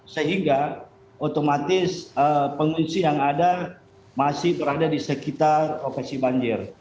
sehingga otomatis pengungsi yang ada masih berada di sekitar profesi banjir